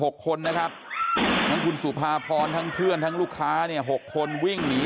กัน๖คนนะครับพี่สุภภรทั้งเพื่อนทางลูกค้าเนี่ย๖คนวิ่งหนี